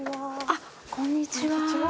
あっこんにちは。